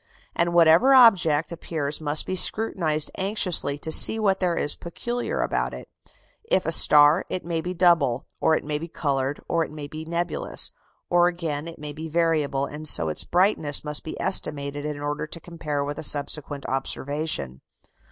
And whatever object appears must be scrutinized anxiously to see what there is peculiar about it. If a star, it may be double, or it may be coloured, or it may be nebulous; or again it may be variable, and so its brightness must be estimated in order to compare with a subsequent observation.